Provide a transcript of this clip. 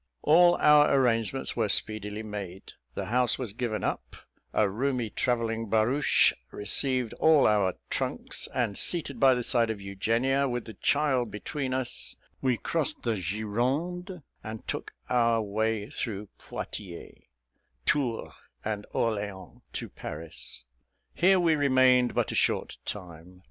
All our arrangements were speedily made. The house was given up a roomy travelling barouche received all our trunks; and, seated by the side of Eugenia, with the child between us, we crossed the Gironde, and took our way through Poictiers, Tours, and Orleans, to Paris; here we remained but a short time.